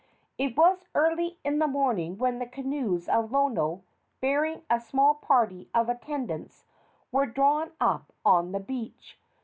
It was early in the morning when the canoes of Lono, bearing a small party of attendants, were drawn up on the beach.